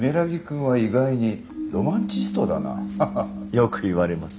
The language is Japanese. よく言われます。